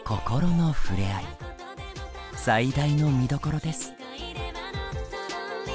最大の見どころです。